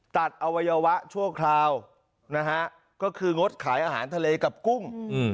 อวัยวะชั่วคราวนะฮะก็คืองดขายอาหารทะเลกับกุ้ง